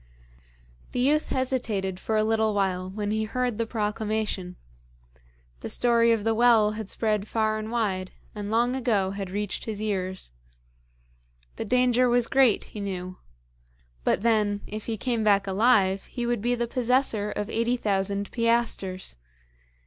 The youth hesitated for a little while when he heard the proclamation. The story of the well had spread far and wide, and long ago had reached his ears. The danger was great, he knew; but then, if he came back alive, he would be the possessor of eighty thousand piastres.